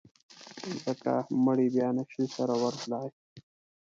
ځکه مړي بیا نه شي سره ورتلای.